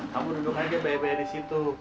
kamu duduk aja bayar bayar disitu